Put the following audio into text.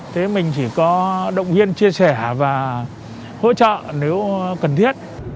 thế mình chỉ có động viên chia sẻ và hỗ trợ nếu cần thiết